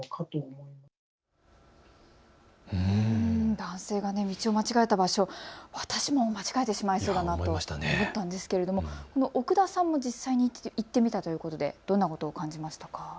男性が道を間違えた場所、私も間違えてしまいそうだなと思ったんですが奥田さんも実際に行ってみたということでどんなことを感じましたか。